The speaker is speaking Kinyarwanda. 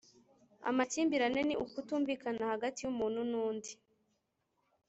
Amakimbirane ni ukutumvikana hagati y’umuntu n’undi